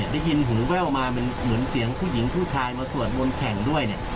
ได้ยินหูแว่วมาเหมือนเสียงผู้หญิงผู้ชายมาสวดวงแข่งด้วย